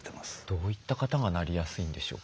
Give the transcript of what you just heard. どういった方がなりやすいんでしょうか？